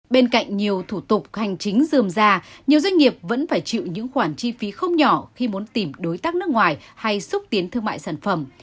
bên cạnh nhiều thủ tục hành chính dườm ra nhiều doanh nghiệp vẫn phải chịu những khoản chi phí không nhỏ khi muốn tìm đối tác nước ngoài hay xúc tiến thương mại sản phẩm